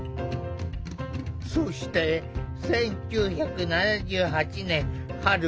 そして１９７８年春。